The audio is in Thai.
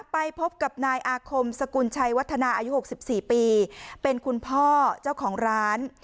ไปพบกับนายอาคมสกุลชัยวัฒนาอายุ๖๔ปีเป็นคุณพ่อเจ้าของร้าน